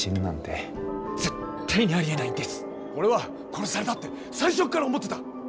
俺は殺されたって最初から思ってた。